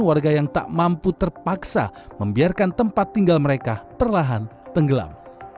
warga yang tak mampu terpaksa membiarkan tempat tinggal mereka perlahan tenggelam